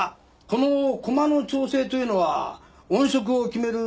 この駒の調整というのは音色を決める